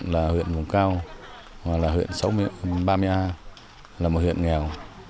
là huyện vùng cao và là huyện ba mươi a là một huyện nghèo